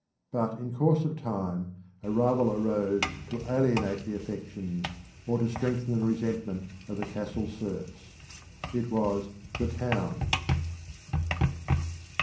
But in course of time a rival arose to alienate the affections, or to strengthen the resentment of the castle serfs. It was the Town.